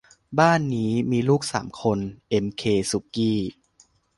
บ้านนี้มีลูกสามคน เอ็ม เค สุกี้